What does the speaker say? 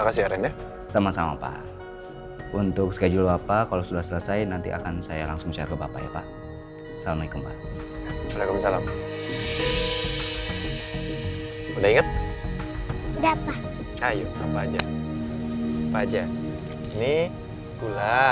assalamualaikum warahmatullahi wabarakatuh